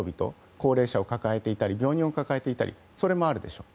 高齢者を抱えていたり病人を抱えていたりというのがあるでしょう。